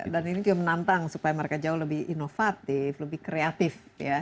dan ini juga menantang supaya mereka jauh lebih inovatif lebih kreatif ya